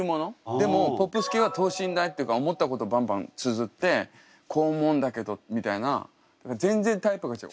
でもポップス系は等身大っていうか思ったことバンバンつづって「こう思うんだけど」みたいな。全然タイプが違う。